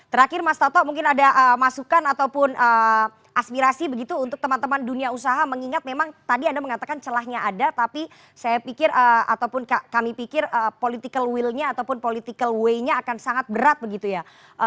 terakhir mas toto mungkin ada masukan ataupun aspirasi begitu untuk teman teman dunia usaha mengingat memang tadi anda mengatakan celahnya ada tapi saya pikir ataupun kami pikir political will nya ataupun political way nya akan sangat berat begitu ya